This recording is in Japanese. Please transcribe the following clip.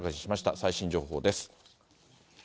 最新情報です。